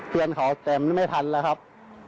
เพื่อนเขาแต่มันไม่ทันแล้วครับ